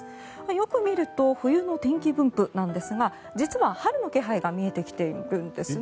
よく見ると冬の天気分布なんですが実は春の気配が見えてきているんですね。